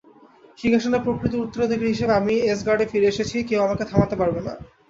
সিংহাসনের প্রকৃত উত্তরাধিকারী হিসাবে আমি অ্যাসগার্ডে ফিরে এসেছি, কেউ আমাকে থামাতে পারবে না।